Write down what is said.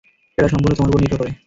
এটা সম্পূর্ণ তোমার উপর নির্ভর করে।